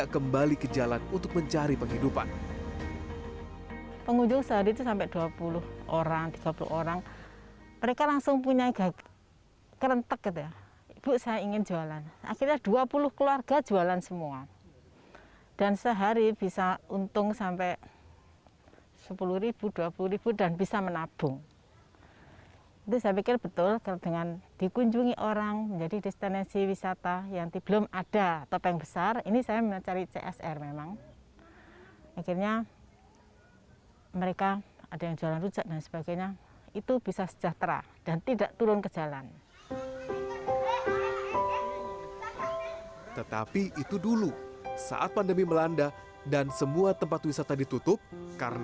kampung topeng jawa timur